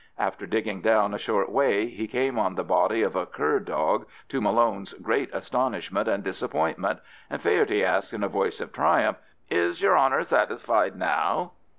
After digging down a short way he came on the body of a cur dog, to Malone's great astonishment and disappointment, and Faherty asked in a voice of triumph, "Is yer honour satisfied now?"